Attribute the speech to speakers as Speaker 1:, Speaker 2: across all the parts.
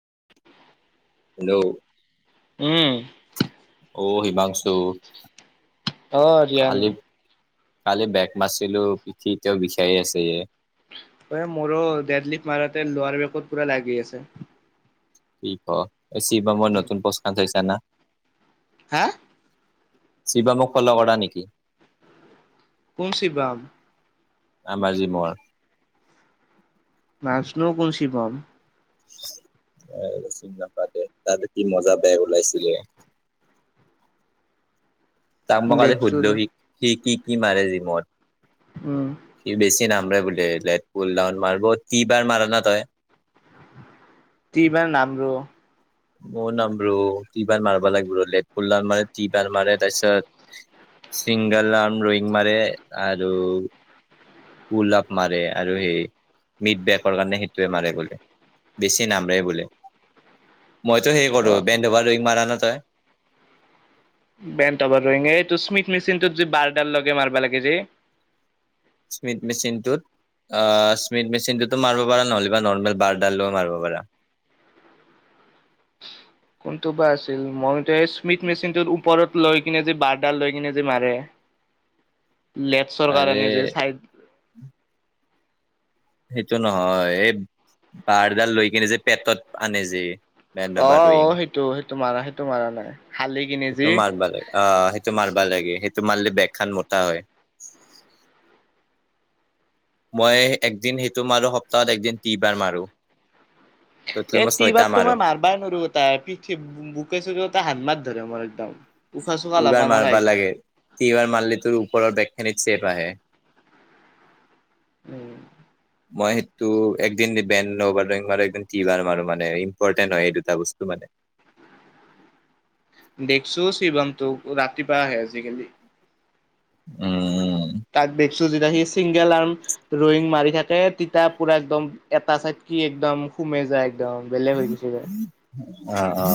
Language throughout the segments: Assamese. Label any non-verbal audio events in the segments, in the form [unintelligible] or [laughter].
Speaker 1: [unintelligible] হেল্ল'
Speaker 2: উম,
Speaker 1: অ হিমাংশো
Speaker 2: অ ৰিয়ান
Speaker 1: কালি বেক মাাৰছিলো পঠি তেওঁ বিষায়ে আছে এ
Speaker 2: মোৰো ডেডলিফ মাৰতে লোৱাৰ বেত পুৰা লাগি আছে।
Speaker 1: কি ক এছি বা মন নতুন পচকা থৈছা না।
Speaker 2: হা!
Speaker 1: শিৱামুখ ফল কৰা নেকি?
Speaker 2: কোন শিবাম?
Speaker 1: আমাৰ জিমৰ।
Speaker 2: না চিনো কোন শিৱম?
Speaker 1: চি নাপাতে তাত কি মজা বেগ ওলাইছিলে। তাম মই কালি
Speaker 2: দেখছো ৰ
Speaker 1: সুধিলো সি সি কি কি মাৰে জীমত।
Speaker 2: উম।
Speaker 1: নামৰে বুলে লেত পুল ডাউন মাৰ কি বাৰ মাৰ না তই?
Speaker 2: টি বাৰ নাম ৰ
Speaker 1: মই নামৰো তি বাৰ মাৰিব লাগিব ৰ লেট পুলাৰ মাৰে তি বাৰ মাৰে তাৰ পিছত চিংগল ৰান ৰয়িং মাৰে আৰু পুলপ মাৰে আৰু সেই মিড বেকৰ কাৰণে সেইটোৱে মাৰে গলে। বেছি নামৰেই বুলে। মইতো সেই কৰো
Speaker 2: অ
Speaker 1: বেন্ডবাৰ দুই মাৰ ন তই?
Speaker 2: বেনাৰং এইটো স্মিথ মেচিনটোত য বাৰডাল লগে মাৰিবা লাগে যে।
Speaker 1: স্মিত মেচিনটোত। আহ স্মিথ মেচিনটোতো মাৰিব পাৰা নহ'লে বা নৰ্মেল বাৰডাল লৈও মাৰিব পাৰা। [inaudible]
Speaker 2: তুবা আছিল মই স্মিথ মেচিনটোৰ ওপৰত লৈ কিনে যে বাৰডাল লৈ কিনে যে মাৰে লেফ্ট চৰকাৰে
Speaker 1: আৰে
Speaker 2: নিযে চাইড
Speaker 1: সেইটো নহয় এই বাৰডাল লৈ কিনে যে পেটত আনে যে।
Speaker 2: অ অ সেইটো মাৰা মাৰা নাই হালি কিনে
Speaker 1: সেইটো
Speaker 2: যি
Speaker 1: মাৰ্বল আ সেইটো মাৰ্ব। ভাল লাগে সেইটো মাৰিলে বেগ খান মোটা হয়। মই একদিন সেইটো মাৰোঁ সপ্তাহত একদিন তিবাৰ মাৰোঁ।
Speaker 2: এ তিবাৰ তো মই মাৰবা নোৱাৰো ত পিঠ বুকেছ হাত মাত ধৰে ম
Speaker 1: ইবাৰ মাৰবা লাগে, তিবাৰ মাৰলে তোৰ ওপৰৰ দেক খিনি। চেপ আহে।
Speaker 2: উম।
Speaker 1: মই সেইটো একদিন বেণ নবাৰ মাৰো একদিন ট বাৰ মাৰো মানে ইম্পৰ্টেণ্ট হয় এই দুটা বস্তু মানে। [inaudible]
Speaker 2: দেখছো শিৱংটোক ৰাতিপুৱা আহে আজিকালি।
Speaker 1: উম।
Speaker 2: তাক দেখছো যেতিয়া সি চিংগেল আন। ৰয়িং মাৰি থাকে তিতা পুৰা একদম এটা চাইদ কি একদম সুমে যায়। একদম বেলেগ হৈ গৈছে বাৰু।
Speaker 1: অ অ।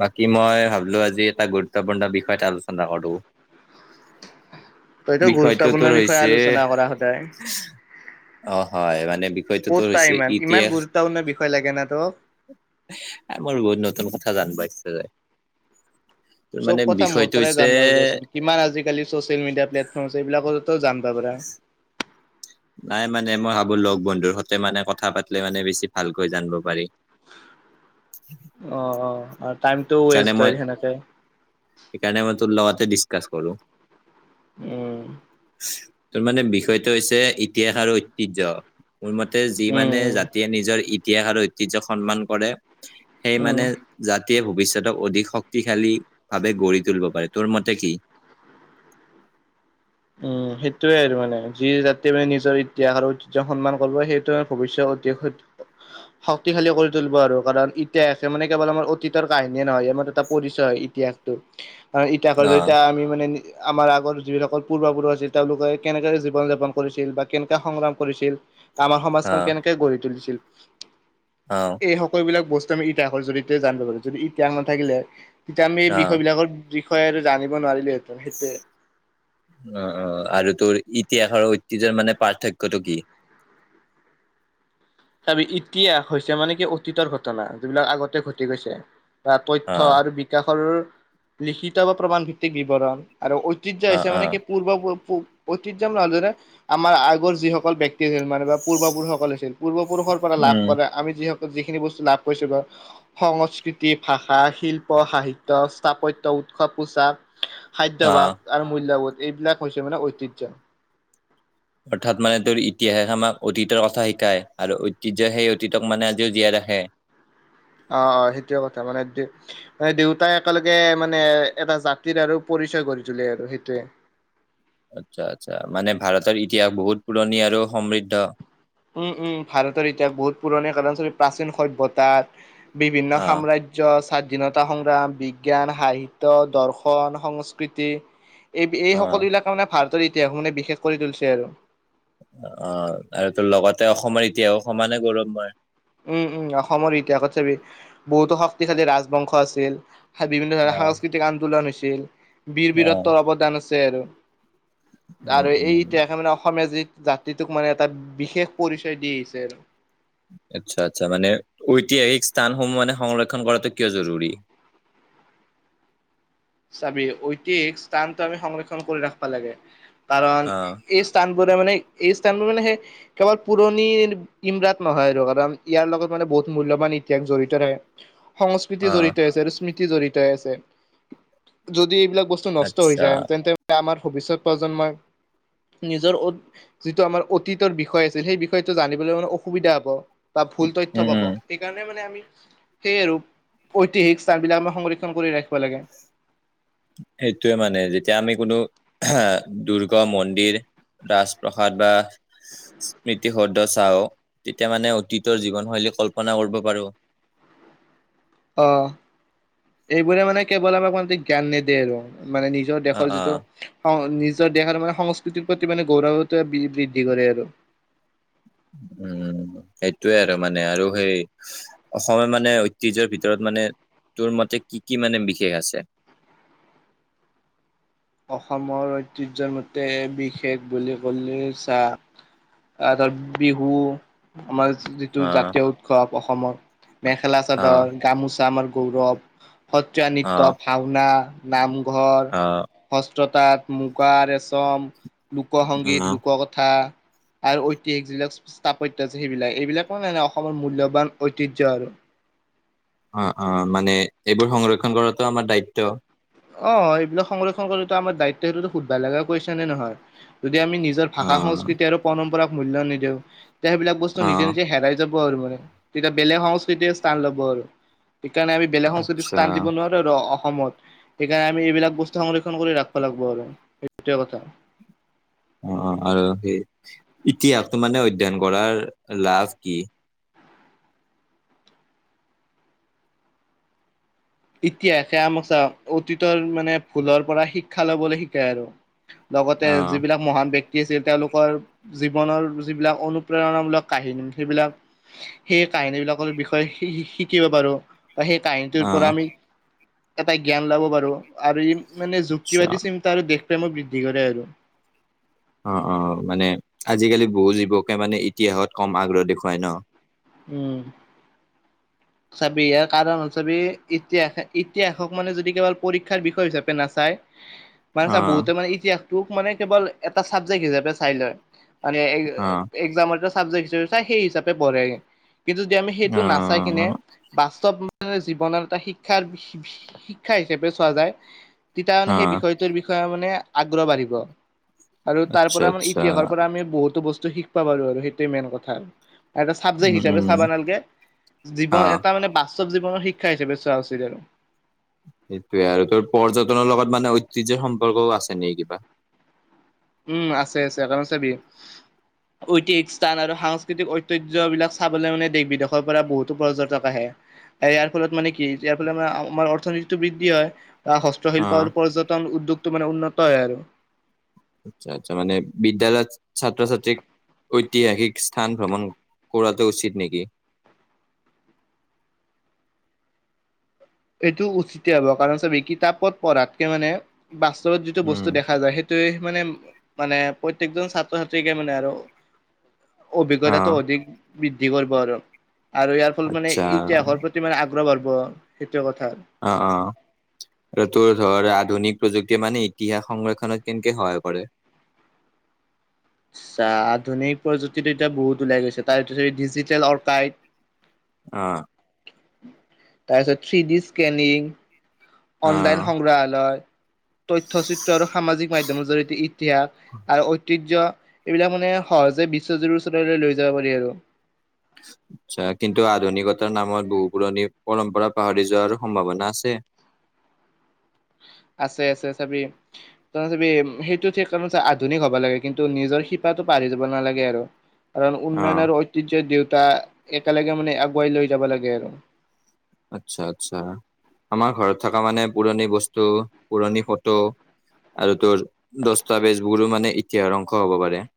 Speaker 1: বাকী মই ভাবিলো আজি এটা গুৰুত্বপূৰ্ণ বিষয়ত আলোচনা কৰো।
Speaker 2: তইতো
Speaker 1: বিষয়টো
Speaker 2: গুৰুত্বপূৰ্ণ
Speaker 1: তোৰ
Speaker 2: বিষয়ে
Speaker 1: হৈছে
Speaker 2: আলোচনা কৰা সদায়।
Speaker 1: অ হয় মানে বিষয়টো
Speaker 2: ক'ত
Speaker 1: তোৰ
Speaker 2: পাই
Speaker 1: হৈছে
Speaker 2: ইমান ইমান
Speaker 1: ইতিহাস।
Speaker 2: গুৰুত্বপূৰ্ণ বিষয় লাগে না তোক?
Speaker 1: আ বৰ বহুত নতুন কথা জানি পাইছোঁ।
Speaker 2: চব কথা মোৰ পৰাই জানিব খোজাচোন, কিমান আজিকালি চচিয়েল মিডিয়া প্লেটফৰ্মছে এইবিলাকত ত জানবা পাৰা।
Speaker 1: নাই মানে মই ভাবো লগ বন্ধুৰ সতে মানে কথা পাতিলে মানে বেছি ভালকৈ জানিব পাৰি।
Speaker 2: অ অ। টাইমটো
Speaker 1: সেইকাৰণে
Speaker 2: ৱেষ্ট
Speaker 1: মই
Speaker 2: হয় সেনেকে।
Speaker 1: ডিছকাছ কৰো।
Speaker 2: উম।
Speaker 1: ঠিল তাৰ মানে বিষয়টো হৈছে ইতিহাস আৰু ঐতিহ্য। মোৰ মতে যি
Speaker 2: উম
Speaker 1: মানে
Speaker 2: উম
Speaker 1: জাতিয়ে নিজৰ ইতিহাস আৰু ঐতিহ্যক সন্মান কৰে সেই
Speaker 2: উম
Speaker 1: মানে জাতিয়ে ভৱিষ্যত অধিক শক্তিশালীভাৱে গঢ়ি তুলিব পাৰে। তোৰ মতে কি? চুক ঝন ঝন [inaudible]
Speaker 2: উম, সেইটোয়ে আৰু মানে যি জাতি মানে নিজৰ ইতিহাস আৰু ঐতিহ্যক সন্মান কৰিব সেইটো ভৱিষ্য প্ৰতিশোধ ল'ব। শক্তিশালীও কৰি তুলিব আৰু কাৰণ ইতিহাসে মানে কেৱল আমাৰ অতীতৰ কাহিনীয়ে নহয় ই আমাৰ এটা পৰিচয়। ই ইতিহাসটো হয় ইতিহাসৰ জৰিয়তে
Speaker 1: অ',
Speaker 2: আমি মানে নি আমাৰ আগৰ যিবিলাকৰ পূৰ্ব-পুৰুষ আছিল তেওঁলোকে কেনেকাৰে জীৱন-যাপন কৰিছিল বা কেনকা সংগ্ৰাম কৰিছিল আমাৰ সমাজখন
Speaker 1: অ',
Speaker 2: কেনেকে গঢ়ি তুলিছিল উস্ চ্
Speaker 1: অ'।
Speaker 2: এই সকলো বিলাক বস ইতিহাসৰ জৰিয়তে জানিব পাৰো যদি ইতিহাস নাথাকিলে তেতিয়া আমি এই
Speaker 1: অ',
Speaker 2: বিষয় বিলাকৰ দিশ বিষয়েতো জানিব নোৱাৰিলোহেতেন সেইটোৱে।
Speaker 1: অ অ আৰু তোৰ ইতিহাসৰ ঐতিহ্যৰ মানে পাৰ্থক্যটো কি? [inaudible]
Speaker 2: চাবি ইতিহাস হৈছে মানে কি অতীতৰ ঘটনা, যিবিলাক আগতে ঘটি গৈছে। বা তথ্য
Speaker 1: অ'।
Speaker 2: আৰু বিকাশৰ লিখিত বা প্ৰমাণ ভিত্তিক বিৱৰণ আৰু ঐতিহ্য
Speaker 1: অ',
Speaker 2: হৈছে মানে
Speaker 1: অ',
Speaker 2: কি পূৰ্ব প পু ঐতিহ্যম নহয় যেনে আমাৰ আগৰ যিসকল ব্যক্তি যেনেবা মানে বা পূৰ্ব-পুৰুষসকল আছিল পূৰ্ব-পুৰুষৰ পৰা লাভ
Speaker 1: উম,
Speaker 2: কৰে আমি যি সকল যিখিনি বস্তু লাভ কৰিছো বাৰু সংস্কৃতি, ভাষা, শিল্প, সাহিত্য, স্থাপত্য উৎসৱ, পোচাক, খাদ্যভাস
Speaker 1: অ'।
Speaker 2: আৰু মূল্যবোধ এইবিলাক হৈছে মানে ঐতিহ্য।
Speaker 1: অৰ্থাৎ মানে তোৰ ইতিহাস আমাক অতীতৰ কথা শিকায় আৰু ঐতিহ্য সেই অতীতক মানে আজিও জীয়াই ৰাখে। [inaudible]
Speaker 2: অ অ, সেইটোৱে কথা মানে দে মানে দেউতাই একেলগে মানে এ এটা জাতিৰ আৰু পৰি পৰিচয় গঢ়ি তুলে আৰু সেইটোৱে
Speaker 1: আচ্ছা আচ্ছা, মানে ভাৰতৰ ইতিহাস বহুত পুৰণি আৰু সমৃদ্ধ।
Speaker 2: উম উম, ভাৰতৰ ইতিহাস বহুত পুৰণি কাৰণ সহিত প্ৰাচীন সভ্যতাৰ বিভিন্ন
Speaker 1: অ',
Speaker 2: সাম্ৰাজ্য, স্বাদ স্বাধীনতা-সংগ্ৰাম, বিজ্ঞান, সাহিত্য, দৰ্শন, সংস্কৃতি এই বি এই
Speaker 1: অ'।
Speaker 2: সকলো বিলাক মানে ভাৰতৰ ইতিহাস মানে বিশেষ কৰি তুলিছে আৰু
Speaker 1: অ অ আৰু তোৰ লগতে অসমৰ ইতিহাসও সমানে গৌৰৱময়।
Speaker 2: উম উম, অসমৰ ইতিহাসত চাবি, বহুতো শক্তিশালী ৰাজবংশ আছিল। বিভিন্ন
Speaker 1: অ
Speaker 2: ধৰণৰ সাংস্কৃতিক আন্দোলন হৈছিল,
Speaker 1: অ
Speaker 2: বীৰ-বীৰত্বৰ অৱদান আছে আৰু।
Speaker 1: উম
Speaker 2: আৰু এই
Speaker 1: উম
Speaker 2: ইতিহাসে মানে অসমীয়া যিত জাতিটোক মানে এটা বিশেষ পৰিচয় দি আহিছে আৰু।
Speaker 1: আচ্ছা আচ্ছা, মানে ঐতিহাসিক স্থানসমূহ মানে সংৰক্ষণ কৰাটো কিয় জৰুৰী? [inaudible]
Speaker 2: চাবি ঐতিক স্থানটো আমি সংৰক্ষণ কৰি ৰাখবা লাগে আহ্। কাৰণ এ
Speaker 1: অ
Speaker 2: এই স্থানবোৰে মানেই এই স্থানবোৰ মানে সেই কেৱল পুৰণিৰ ইমৰাট নহয় আৰু আমি ইয়াৰ লগত মানে বহুত মূল্যবান মানে ইতিহাস জড়িত থাকে। সংস্কৃতি
Speaker 1: অ
Speaker 2: জড়িত আছে আৰু স্মৃতি জড়িত হৈ আছে উমচাহ যদি এইবিলাক বস্তু নষ্ট হৈ
Speaker 1: আচ্ছা
Speaker 2: যায়, তেন্তে আমাৰ ভৱিষ্যত প্ৰজন্মই নিজৰ অদ যিটো আমাৰ অতীতৰ বিষয় আছিল সেই বিষয়টো জানিবলৈ মানে অসুবিধা হ'ব। বা ভুল তথ্য
Speaker 1: উম
Speaker 2: পাব
Speaker 1: উম
Speaker 2: সেইকাৰণে মানে আমি সেই আৰু ঐতিহাসিক স্থানবিলাক আমাৰ সংৰক্ষণ কৰি ৰাখিব লাগে।
Speaker 1: সেইটোৱে মানে যেতিয়া আমি কোনো আহ দুৰ্গ -মন্দিৰ ৰাজপ্ৰসাদ বা স্মৃতি সদ্ধ চাওঁক, তেতিয়া মানে অতীতৰ জীৱন শৈলী কল্পনা কৰিব পাৰো। [unintelligible]
Speaker 2: অঁ এইবোৰে মানে কেৱল আমাক কো জ্ঞান নিদিয়ে আৰু। মানে নিজৰ
Speaker 1: অ
Speaker 2: দেশৰ
Speaker 1: অ
Speaker 2: যিটো। নিজৰ দেহৰ মানে সংস্কৃতিৰ প্ৰতি মানে গৌৰৱ বৃদ্ধি কৰে আৰু।
Speaker 1: উ [unintelligible] উম সেইটয়ে আৰু মানে আৰু সেই অসমে মানে ঐতিহ্য ভিতৰত মানে। তোৰ মতে কি কি মানে বিশেষ আছে।
Speaker 2: অসমৰ ঐতিহ্যমতে বিশেষ বুলি কলে চাহ অঁ ত বিহু। আমাৰ যিটো
Speaker 1: অ',
Speaker 2: জাতীয় উৎসৱ অসমৰ, মেখেলা
Speaker 1: অ',
Speaker 2: -চাদৰ, গামোচা আমাৰ গৌৰৱ সত্ৰীয়া নৃত্য
Speaker 1: অ',
Speaker 2: ভাওঁনা নামঘৰ।
Speaker 1: অ',
Speaker 2: হস্ত্ৰ তাঁত মুগা ৰেচম লোকসংগীত লোককথা। আৰু ঐতিহাসিক যিবিলাক স্থাপত্য আছে সেইবিলাক এইবিলাক মানেে অসমৰ মূল্যবান ঐতিহ্য আৰু।
Speaker 1: অঁ অঁ মানে এইবোৰ সংৰক্ষণ কৰাটো আমাৰ দায়িত্ব।
Speaker 2: অঁ এইবিলাক সংৰক্ষণ কৰি আমাৰ দায়িত্ব সেইটোতো সুধ ভাল লগা কৈছে নে নহয়। আমি নিজৰ ভাষা
Speaker 1: অ',
Speaker 2: সংস্কৃতিক আৰু পৰম্পৰাক মূল্ নিদিওঁও সেইবিলাক বস্তু নিজে
Speaker 1: অ',
Speaker 2: নিজে হেৰা যাব। আৰু মানে তেতিয়া বেলেগ সংস্কৃতি স্থান ল'ব আৰু। সেইকাৰণে আমি বেলেগ সংস্কৃতিৰ
Speaker 1: আচ্ছা
Speaker 2: স্থান দিব নোৱাৰো ৰ অসমত। সেইকাৰণে আমি এইবিলাক বস্তু সংৰক্ষণ কৰি ৰাখিব লাগিব আৰু এইটোৱে কথা।
Speaker 1: তিহাস ত মমানে অধ্যয়ন কৰাৰ লাভ কি।
Speaker 2: ইতিহাসে আমাক অতীতৰ মানে ভুলৰ পৰা শিক্ষা লবলৈ শিকায় আৰু। লগতে
Speaker 1: অ',
Speaker 2: যিবিলাক মহান ব্যক্তিৰ। আছিল তেওঁলোকৰ জীৱনৰ যিবিলাক অনুপ্ৰেৰণামূলক কাহিনী সেইবিলাক সেই কাহিনী বিলাকৰ বিষয়ে শ শিকিব পাৰো বা সেই কাহিনীটোৰ
Speaker 1: অ',
Speaker 2: পৰা আমি। এটা জ্ঞান লব পাৰো আৰু ই মানে
Speaker 1: আচ্ছা
Speaker 2: যুক্তিবাদী চিন্তা আৰু। পেম বৃদ্ধি কৰে আৰু।
Speaker 1: অঁ অঁ মানে আজিকালি বহু যুৱকে মানে ইতিহাসত কম আগ্ৰহ দেখুৱাই ন।
Speaker 2: উম।
Speaker 1: উ [inaudible]
Speaker 2: চি ইয়াৰ কাৰণ হ চাবি ইতিহাস ইতিহাসক মানে যদি কেৱল পৰীক্ষাৰ বিষয় হিচাপে নাচায়। মানে চা
Speaker 1: অ',
Speaker 2: বহুতে মানে ইতিহাসটোক মানে কেৱল এটা চাবজেক্ট হিচাপে চাই লয়।
Speaker 1: অ',
Speaker 2: এগজামৰ সাব্জে্ট হিচাপ সেই হিচাপে বঢৰে। কিন্তু যদি আমি সেইটো নাচাই কিনে
Speaker 1: অ',
Speaker 2: বাস্তৱ। জীৱনৰ এটা শিক্ষাৰ শিক্ষা হিচাপে চোৱা যায়। তেতিয়া মানে সেই
Speaker 1: অ',
Speaker 2: বিষয়টোৰ বিষয়ে মানে আগ্ৰহ বাঢ়িব। আৰু তাৰ
Speaker 1: আচ্ছা
Speaker 2: পৰা আমাৰ
Speaker 1: আচ্ছা
Speaker 2: ইতিহাসৰ পৰা আমি বহুতো বস্তু শিকিবা পাৰো আৰু সেইটোৱে মেইন কথা আৰু। এটা চাবজেক্ট
Speaker 1: উম,
Speaker 2: হিচাপে
Speaker 1: উম,
Speaker 2: চাবা নালকে, জীৱন
Speaker 1: অ',
Speaker 2: এটা মানে পা বাস্তৱ জীৱনৰ শিক্ষা হিচাপে চোৱা উচিত আৰু।
Speaker 1: সেইটোৱে আৰু তোৰ পৰ্যটনৰ লগত মানে ঐতিহ্য সম্পৰ্কও আছে নে কিবা?
Speaker 2: উম আছে আছে কাৰণ চাবি। ঐতিাসিক স্থান আৰু সাংস্কৃতিক ঐতিহ্যবলাক চাবলৈ মানে দেশ বিদেশৰ পৰা বহুতো পৰ্যটক আহে। ইয়াৰ ফলত মান কি ইয়াৰ ফল ম আমাৰ অৰ্থনীতিটো বৃদ্ধি হয়। আহ হস্ত্ৰশিল্প
Speaker 1: অ',
Speaker 2: আৰু পৰ্যটন উদ্যোগটো মানে উন্নত হয় আৰু।
Speaker 1: আচ্ছা আচ্ছা মানে বিদ্যালয়ত ছাত্ৰ ছাত্ৰীক। ঐতিহাসিক স্থান ভ্ৰমণ কৰাটো উচিত নেকি। [unintelligible]
Speaker 2: এইটো উচিত হ'ব কাৰণ চবেই কিতাপত পঢ়াতকে মানে। বাস্তৱত যিটো
Speaker 1: উম
Speaker 2: বস্তু দেখা যায় সেইটোৱে মানে মানে প্ৰত্যেকজন ছাত্ৰ ছাত্ৰীকে মানে আৰু।
Speaker 1: অ
Speaker 2: অভিজ্ঞতাটো অধিক বৃদ্ধি কৰিব আৰু আৰু ইয়াৰ ফল মানে
Speaker 1: আচ্ছা
Speaker 2: ইতিহাসৰ প্ৰতি মানে আগ [unintelligible]
Speaker 1: অ অ এ তোৰ ধৰ আধুনিক প্ৰযুক্তি মানে ইতিহাস সংৰক্ষণত কেনেকে সহায় কৰে।
Speaker 2: আচ্ছা আধুনিক প্ৰযুক্তিতো এতিয়া বহুত ওলাই গৈছে তাৰপিছত ডিজিটেল অৰ্কাইড।
Speaker 1: অহ
Speaker 2: তাৰপিছত থ্ৰী ডি স্কেনিং
Speaker 1: অ
Speaker 2: অনলাইন সংগ্ৰহালয় তথ্য চিত্ৰ আৰু সামাজিক মাধ্যমৰ জৰি়তে ইতিহাস আৰু ঐতিহ্য এইবিলাক মানে সহজে বিশ্বজুৰৰ ওচৰলৈ লৈ যাব পাৰি আৰু
Speaker 1: [inaudible] আচ্ছা কিন্তু আধুনিকতাৰ নামত বহু পুৰণি পৰম্পৰা পাহৰি যোৱাৰ সম্ভাৱনা আছে। [inaudible]
Speaker 2: আছে আছে চাবি ত চিবি সেইটো ঠিক কাৰ আধুনিক হ'ব লাগে কিন্তু নিজৰ শিপাটো পাৰ দি দিব নালাগে আৰু কাৰণ
Speaker 1: অ
Speaker 2: উন্নয়ন আৰু ঐতিহ্যই দুয়োটা একেলগে মানে আগুৱাই লৈ যাব লাগে আৰু
Speaker 1: আচ্ছা আচ্ছা। আমাৰ ঘৰত থকা মানে পুৰণি বস্তু পুৰণি ফটো আৰু তোৰ দস্তাবেজবোৰো মানে ইতিহাসৰ অংশ হ'ব পাৰে। [inaudible]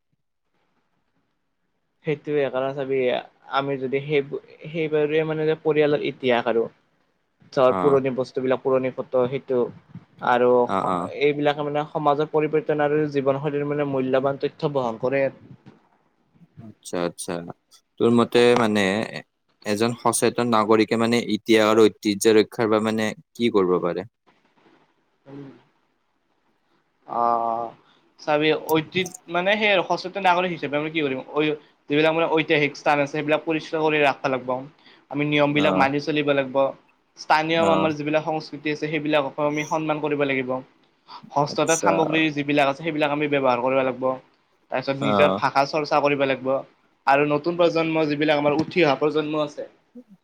Speaker 2: সেইটোৱে কাৰণ চাবি আমি যদি সেই সেইবাৰ মানে পৰিয়ালৰ ইতিহাস আৰু
Speaker 1: [inaudible]
Speaker 2: কাৰ পুৰণি বস্তু বিলাক পুৰণি ফটো সেইটো আৰু
Speaker 1: অ অ
Speaker 2: এইবিলাকে মানে সমাজৰ পৰিৱৰ্তন আৰু জীৱনশৈলীৰ মানে মূল্যৱান তথ্য বহন কৰে।
Speaker 1: আচ্ছা আচ্ছা তোৰ মতে মানে এজন সচেতন নাগৰিকে মানে ইতিহাসৰ ঐতিহ্য ৰক্ষাৰ বাবে মানে কি কৰিব পাৰে। [inaudible]
Speaker 2: উম অ অ চাবি ঐতিহ্য মানে সেইয়ে আৰু সচেতন নাগৰিক হিচাপে আমি কি কৰিম যিবিলাক মানে ঐতিহাসিক স্থান সেইবিলাক পৰিষ্কাৰ কৰি ৰাখব লাগিব আমি নিয়ম বিলাক
Speaker 1: অ'
Speaker 2: মানি চলিব লাগিব স্থানীয়
Speaker 1: অ'
Speaker 2: আমাৰ যিবিলাক সংস্ক এতিয়া আছে সেইবিলাকক আমি সন্মান কৰিব লাগিব। যত
Speaker 1: আচ্ছা
Speaker 2: সামগ্ৰী যিবিলাক আছে সেইবিলাক আমি ব্যৱহাৰ কৰিব লাগিব তাৰপিছত নিজৰ
Speaker 1: অ'
Speaker 2: ভাষা চৰ্চা কৰিব লাগিব আৰু নতুন প্ৰজন্ম যিবিলাক আমাৰ উঠি অহা প্ৰজন্ম আছে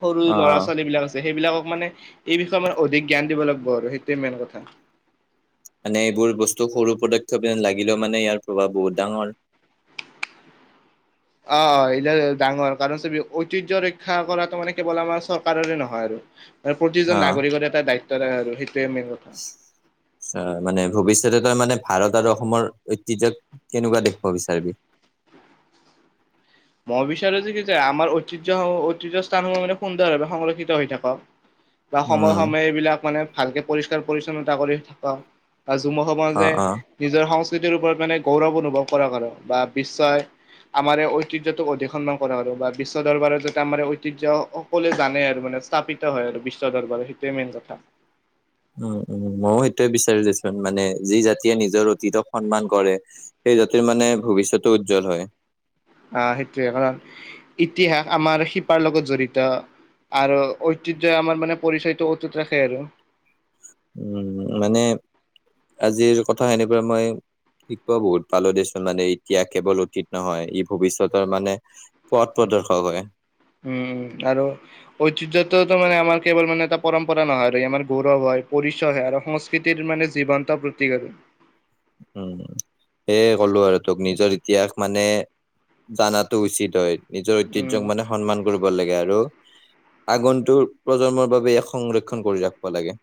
Speaker 2: সৰু ল'ৰা
Speaker 1: অ'
Speaker 2: ছোৱালী বিলাক আছে। সেইবিলাকক মানে এই বিষয়ে মানে অধিক জ্ঞান দিব লাগব আৰু সেইটোৱে মেইন কথা
Speaker 1: মানে এইবোৰ বস্তু সৰু পদক্ষেপ যেন লাগিলেও মানে ইয়াৰ প্ৰভাৱ বহুত ডাঙৰ। [inaudible]
Speaker 2: অ অ এইটো ডাঙৰ কাৰণ চবে ঐতিহ্য ৰক্ষা কৰাটো মানে কেৱল আমাৰ চৰকাৰৰে নহয় আৰু আৰু প্ৰতিজন নাগৰিকৰে এটা দায়িত্ব আৰু মেইন কথা।
Speaker 1: চা মানে ভৱিষ্যতে ত মানে ভাৰত আৰু অসমৰ ঐতিহ্যক কেনেকোৱা দেখুৱাব বিচাৰিবি [inaudible]
Speaker 2: মই বিচাৰো যে কি যে আমাৰ ঐতিহ্যসমূহ ঐতিহ্য স্থানসমূহ মানে সুন্দৰভাৱে সংৰক্ষিত হৈ থাকক। বা সময়ে
Speaker 1: উম
Speaker 2: সময়ে এইবিলাক মানে ভালকে পৰিষ্কাৰ পৰিচ্ছন্নতা কৰি থকা। আৰু যুৱ সমাজে
Speaker 1: অ' অ'
Speaker 2: নিজৰ সংস্ক তেওঁৰ ওপৰত মানে গৌৰৱ অনুভৱ কৰা বা বিশ্বই আমাৰ এই ঐ ঐতিহ্যটোক অধিসন্ন কৰা আৰু বা বিশ্ব দৰবাৰত যাতে আমাৰ ঐতিহ্য সকলোৱে জানে আৰু মানে স্থাপিত হয় বিশ্ব দৰবাৰ সেইটোৱে মেইন কথা।
Speaker 1: [inaudible] উম উম ময়ো সেইটয়ে বিচাৰো দেচোন মানে, যি জাতিয়ে নিজৰ ঐতিহ্যক সন্মান কৰে। সেই জাতিৰ মানে ভৱিষ্যতো উজ্জ্বল হয়।
Speaker 2: আহ সেইটোৱে কাৰণ, ইতিহাস আমাৰ শিপাৰ লগত জড়িত। আৰু ঐতিহ্য আমাৰ মানে পৰিচয়টো অতুত ৰাখে আৰু।
Speaker 1: উম মানে আজিৰ কথা এনেকোৱা মই শিক্ষা বহুত পালো দেচোন মানে এতিয়া কেৱল অতীত নহয় ই ভৱিষ্যতৰ মানে পথ পথ দৰ্শক হয়।
Speaker 2: উম উম আৰু ঐতিহ্যৰটো আমাৰ মানে কেৱল মানে, এটা পৰম্পৰা নহয় আৰু আমাৰ গৌৰৱ হয়। পৰিচয় হয় আৰু সংস্কৃতিৰ মানে জীৱন্ত প্ৰতিক আৰু।
Speaker 1: উম সেয়ে কলো আৰু তোক নিজৰ ইতিহাস মানে জানাটো উচিত হয় নিজৰ
Speaker 2: উম।
Speaker 1: ঐতিহ্যক মানে সন্মান কৰিব লাগে। আৰু আগন্তুৰ প্ৰজন্মৰ বাবে এয়াক সংৰক্ষণ কৰি ৰাখিব লাগে।